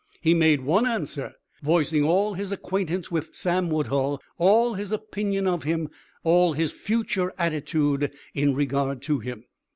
He made one answer, voicing all his acquaintance with Sam Woodhull, all his opinion of him, all his future attitude in regard to him.